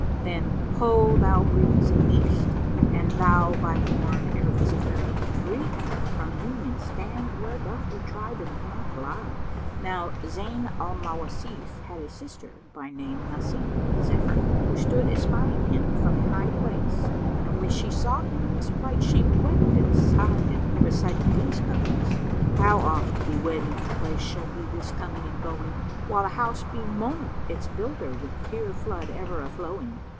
Then, Ho thou Breeze of East, and thou by morn e'er visit her; * Greet her from me and stand where doth her tribe encampčd lie!" Now Zayn al Mawasif had a sister, by name Nasím—the Zephyr—who stood espying him from a high place; and when she saw him in this plight, she wept and sighed and recited these couplets, "How oft bewailing the place shall be this coming and going, * While the House bemoaneth its builder with tear flood ever a flowing?